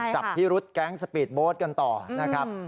จับพิรุษแก๊งสปีดโบ๊ทกันต่อนะครับ